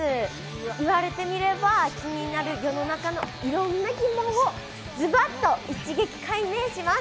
言われてみれば気になる世の中のいろんな疑問をズバッと一撃解明します。